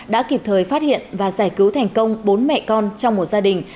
đã kịp thời phát hiện và giải cứu thành công bốn mẹ con trong một gia đình